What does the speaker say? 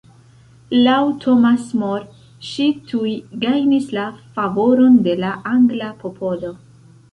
Laŭ Thomas More ŝi tuj gajnis la favoron de la angla popolo.